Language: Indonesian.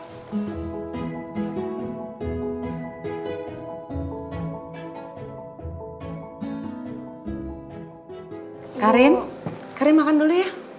karin karin makan dulu ya